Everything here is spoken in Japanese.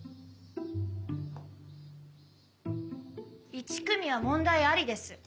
１組は問題ありです。